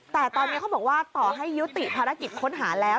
แต่ตอนนี้เขาบอกว่าต่อให้ยุติภารกิจค้นหาแล้ว